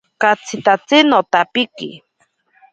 Katsitatsi notapiki.